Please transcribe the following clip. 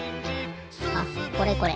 あこれこれ。